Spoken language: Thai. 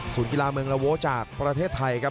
ศูนย์กีฬาเมืองละโวจาสประเทศไทยครับ